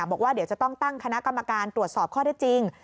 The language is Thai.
บอกว่าเดี๋ยวจะต้องตั้งคณะกรรมการตรวจสอบข้อได้จริง